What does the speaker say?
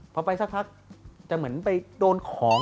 พอไปสักพักจะเหมือนไปโดนของ